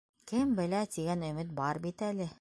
Кем белә, тигән өмөт бар бит әле.